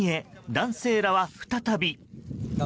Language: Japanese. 男性らは、再び。